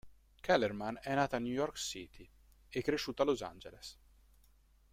Kellerman è nato a New York City e cresciuto a Los Angeles.